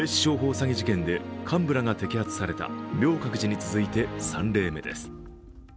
詐欺事件で幹部らが摘発された明覚寺に続いて３例目です。